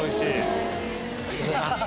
ありがとうございます